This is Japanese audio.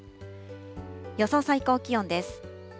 予想最高気温です。